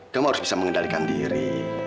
kamu harus bisa mengendalikan diri